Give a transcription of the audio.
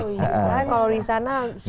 bahkan kalau di sana sulit